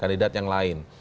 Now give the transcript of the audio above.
kandidat yang lain